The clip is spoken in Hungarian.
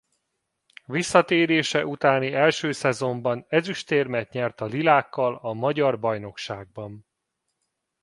Visszatérése utáni első szezonban ezüstérmet nyert a lilákkal a magyar bajnokságban.